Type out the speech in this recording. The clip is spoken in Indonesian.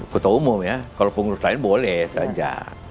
ketua umum ya kalau pengurus lain boleh saja